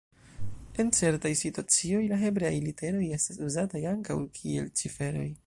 En certaj situacioj la hebreaj literoj estas uzataj ankaŭ kiel ciferoj.